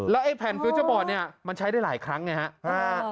แล้วไอ้แผ่นเนี้ยมันใช้ได้หลายครั้งไงฮะอ่า